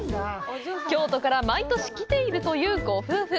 京都から毎年来ているというご夫婦。